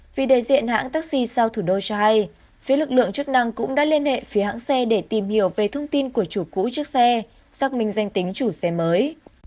vì đại diện hãng taxi sao thủ đô cho hay phía lực lượng chức năng cũng đã liên hệ phía hãng xe để tìm hiểu về thông tin của chủ cũ chiếc xe xác minh danh tính chủ xe mới